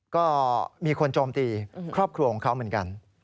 ก็มีคนโจมตีครอบครัวของเขาเหมือนกัน